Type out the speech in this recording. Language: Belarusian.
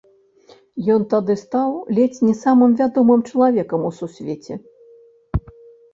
Ён тады стаў ледзь не самым вядомым чалавекам у сусвеце.